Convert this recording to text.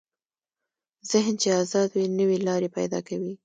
ذهن چې ازاد وي، نوې لارې پیدا کوي.